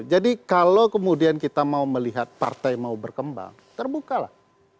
jadi kalau kemudian kita mau melihat partai mau berkembang terbuka lah